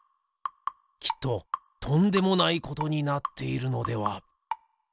きっととんでもないことになっているのでは？